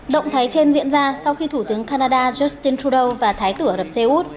động thái trên diễn ra sau khi thủ tướng canada justin trudeau và thái tử ả rập xê út